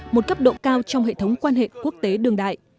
một cấp độ cao trong hệ thống quan hệ quốc tế đường đại